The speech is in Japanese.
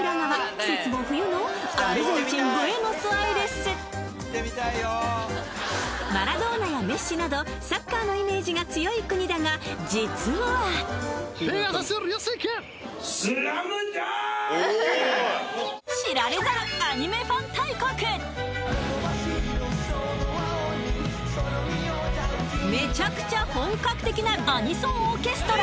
季節も冬のマラドーナやメッシなどサッカーのイメージが強い国だが実はめちゃくちゃ本格的なアニソンオーケストラ